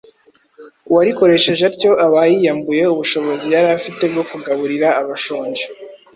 uwarikoresheje atyo aba yiyambuye ubushobozi yari afite bwo kugaburira abashonji